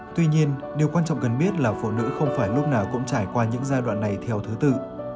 tuy nhiên điều quan trọng cần biết là phụ nữ không phải lúc nào cũng trải qua những giai đoạn này theo thứ tự